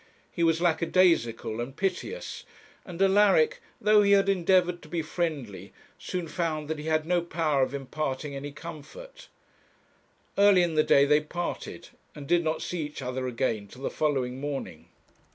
He was lackadaisical and piteous, and Alaric, though he had endeavoured to be friendly, soon found that he had no power of imparting any comfort. Early in the day they parted, and did not see each other again till the following morning.